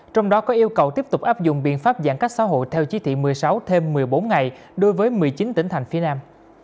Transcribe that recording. trong đó có yêu cầu tiếp tục áp dụng biện pháp giãn cách xã hội theo chí thị một mươi sáu thêm một mươi bốn ngày đối với một mươi chín tỉnh thành phía nam